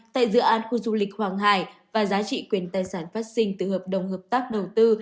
tại dự án khu du lịch hoàng hải và giá trị quyền tài sản phát sinh từ hợp đồng hợp tác đầu tư